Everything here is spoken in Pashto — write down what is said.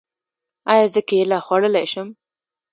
ایا زه کیله خوړلی شم؟